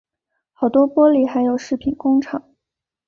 好多玻璃还有饰品工厂